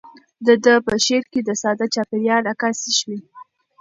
د ده په شعر کې د ساده چاپیریال عکاسي شوې.